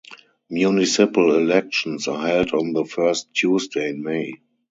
Municipal elections are held on the first Tuesday in May.